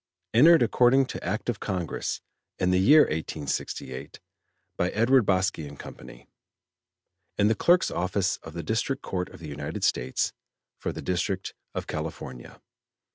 Entered according to Act of Congress, in the year 1868, by EDWARD BOSQUI & CO., In the Clerk's Office of the District Court of the United States, for the District of California.